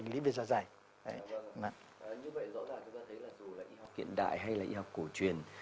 như vậy rõ ràng chúng ta thấy là dù là y học kiện đại hay là y học cổ truyền